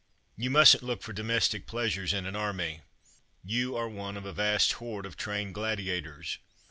You mustn't look for domestic pleasures in an army. You are one of a vast horde of trained gladiators.